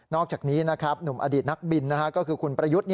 อกจากนี้นะครับหนุ่มอดีตนักบินก็คือคุณประยุทธ์